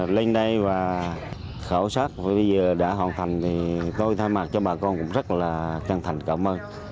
lên đây và khảo sát bây giờ đã hoàn thành thì tôi tham mạc cho bà con cũng rất là chân thành cảm ơn